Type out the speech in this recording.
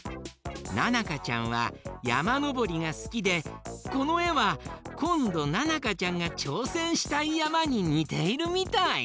ななかちゃんはやまのぼりがすきでこのえはこんどななかちゃんがちょうせんしたいやまににているみたい！